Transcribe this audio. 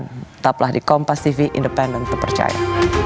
tetaplah di kompas tv independen terpercaya